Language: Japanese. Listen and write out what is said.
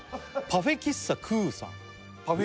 パフェ喫茶くぅぅさん